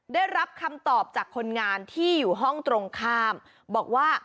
ได้รับคำตอบจากคนงานที่อยู่ห้องตรงข้ามบอกว่า